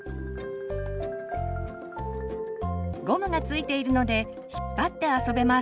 ゴムが付いているので引っ張って遊べます。